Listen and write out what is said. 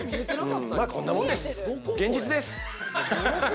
まぁこんなもんです、現実です。